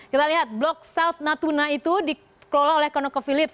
kita lihat blok south natuna itu dikelola oleh konoko philips